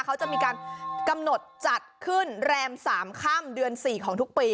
เขาจะมีการกำหนดจัดขึ้นแรม๓ค่ำเดือน๔ของทุกปี